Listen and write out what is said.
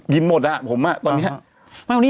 กินหมดผมอะตอนนี้